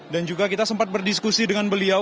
dan juga kita sempat berdiskusi dengan beliau